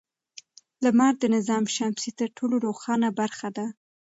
لمر د نظام شمسي تر ټولو روښانه برخه ده.